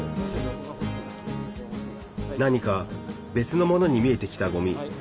何か別のものに見えてきたごみ。